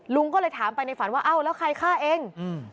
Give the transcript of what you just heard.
ลุงก็เลยถามไปในฝันว่าเอ้าแล้วใครฆ่าเองอืม